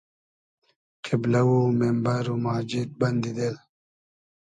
قیبلۂ و میمبئر و ماجید بئندی دیل